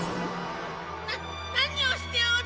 ななにをしておる！？